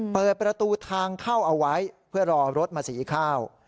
เปิดประตูทางเข้าเอาไว้เพื่อรอรถมาสีข้าว